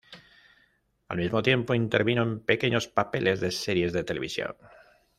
Al mismo tiempo intervino en pequeños papeles de series de televisión.